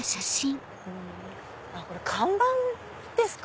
これ看板ですか？